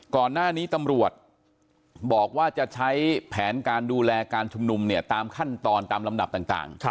ก่อนหน้านี้ตำรวจบอกว่าจะใช้แผนการดูแลการชุมนุมเนี่ยตามขั้นตอนตามลำดับต่าง